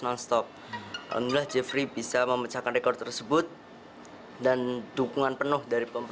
dan dukungan penuh dari pemerintah